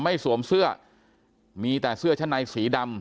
สวมเสื้อมีแต่เสื้อชั้นในสีดำ